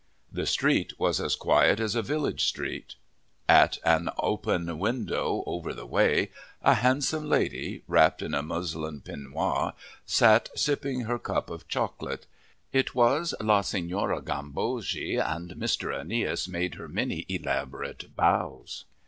The street was as quiet as a village street. At an open window over the way, a handsome lady, wrapped in a muslin peignoir, sat sipping her cup of chocolate. It was La Signora Gambogi, and Mr. Aeneas made her many elaborate bows.